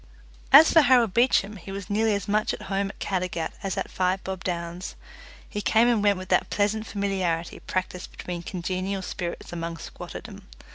As for Harold Beecham, he was nearly as much at home at Caddagat as at Five Bob Downs. He came and went with that pleasant familiarity practised between congenial spirits among squatterdom.